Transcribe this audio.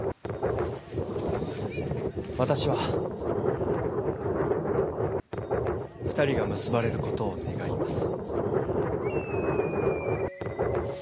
私は２人が結ばれることを願います。